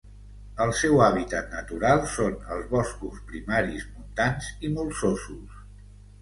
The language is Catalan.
El seu hàbitat natural són els boscos primaris montans i molsosos.